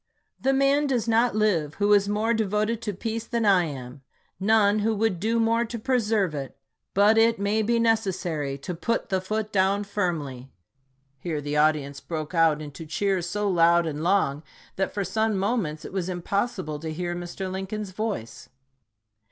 The man does not live who is more devoted to peace than I am, none who would do more to preserve it, but it may be necessary to put the foot down firmly. [Here the audience broke out into cheers so loud and long, that for some moments it was impossible to hear Mr. Lincoln's voice.